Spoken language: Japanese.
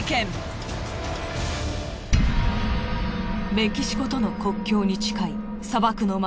メキシコとの国境に近い砂漠の町。